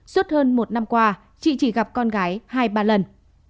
suốt hơn một năm qua chị chỉ gặp con gái hai ba lần